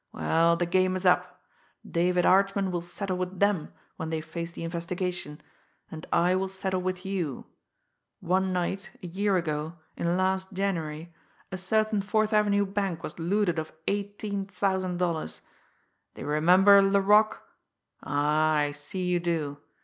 Well, the game is up! David Archman will settle with them when they face the investigation and I will settle with you! One night, a year ago, in last January, a certain Fourth Avenue bank was looted of eighteen thousand dollars do you remember, Laroque? Ah, I see you do!